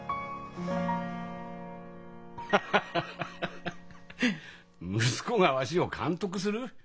ハハハ息子がわしを監督する？